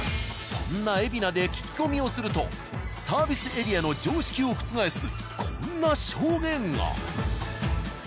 そんな海老名で聞き込みをするとサービスエリアの常識を覆すこんな証言が。